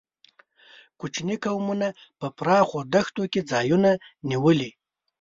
کوچي قومونو په پراخو دښتونو کې ځایونه نیولي.